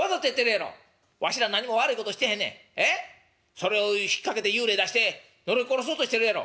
それを引っ掛けて幽霊出して呪い殺そうとしてるやろ。